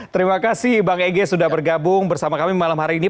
terima kasih bang egy sudah bergabung bersama kami malam hari ini